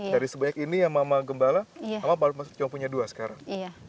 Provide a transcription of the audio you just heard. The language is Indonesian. dari sebaik ini yang mama gembala mama cuma punya dua sekarang